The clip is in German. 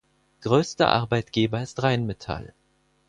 Größter Arbeitgeber ist Rheinmetall.